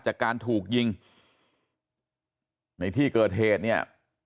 จากการถูกยิงในที่เกิดเหตุเนี่ย